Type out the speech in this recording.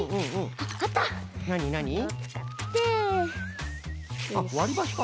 あっわりばしか。